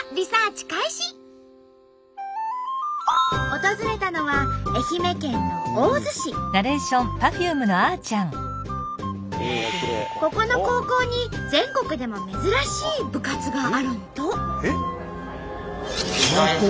訪れたのはここの高校に全国でも珍しい部活があるんと。